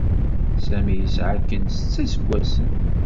Sami yesɛa akken setta iseggasen.